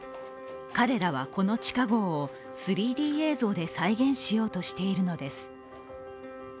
彼らはこの地下壕を３Ｄ映像で再現しようとしているのです。